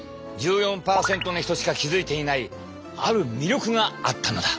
１４％の人しか気付いていないある魅力があったのだ。